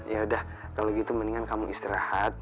ya udah kalau gitu mendingan kamu istirahat